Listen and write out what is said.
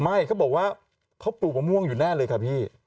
เขาบอกว่าเขาปลูกมะม่วงอยู่แน่เลยค่ะพี่